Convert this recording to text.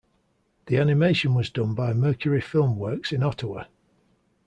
The animation was done by Mercury Filmworks in Ottawa.